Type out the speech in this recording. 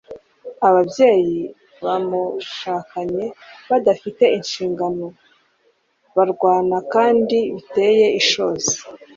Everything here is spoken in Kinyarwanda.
ababyeyi mubashakanye badafite inshingano, barwana kandi biteye ishozi